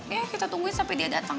ya kita tunggu sampai dia datang